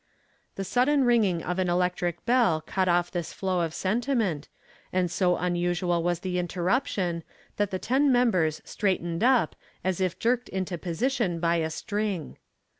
The sudden ringing of an electric bell cut off this flow of sentiment, and so unusual was the interruption that the ten members straightened up as if jerked into position by a string.